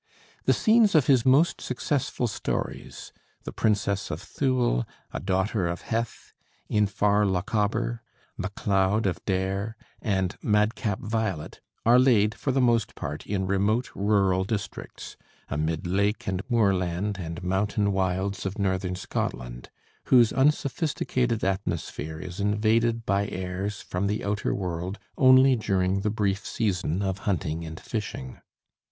The scenes of his most successful stories, 'The Princess of Thule,' 'A Daughter of Heth,' 'In Far Lochaber,' 'Macleod of Dare,' and 'Madcap Violet,' are laid for the most part in remote rural districts, amid lake and moorland and mountain wilds of northern Scotland, whose unsophisticated atmosphere is invaded by airs from the outer world only during the brief season of hunting and fishing.